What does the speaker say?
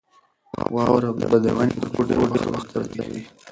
واوره به د ونې پر پښو ډېر وخت پرته وي.